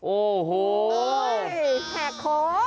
โอ้โหแหกโค้ง